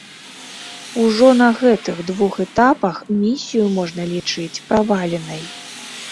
Ужо на гэтых двух этапах місію можна лічыць праваленай.